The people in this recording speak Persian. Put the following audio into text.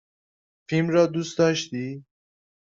فیلم را دوست داشتی؟